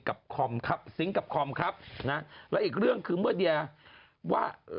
คอมครับซิงค์กับคอมครับนะแล้วอีกเรื่องคือเมื่อเดียว่า